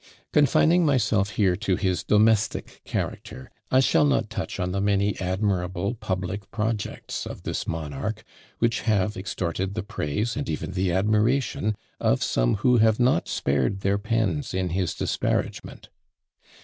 Confining myself here to his domestic character, I shall not touch on the many admirable public projects of this monarch, which have extorted the praise, and even the admiration, of some who have not spared their pens in his disparagement.